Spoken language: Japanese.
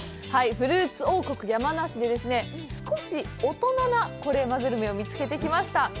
フルーツ王国・山梨で、少し大人な「コレうま」グルメを見つけてました。